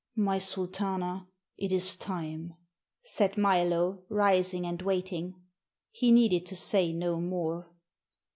"My Sultana, it is time," said Milo, rising and waiting. He needed to say no more.